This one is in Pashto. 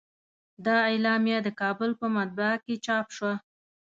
دا اعلامیه د کابل په مطبعه کې چاپ شوه.